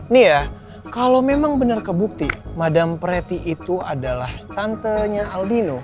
nih ya kalau memang benar kebukti madam preti itu adalah tantenya aldino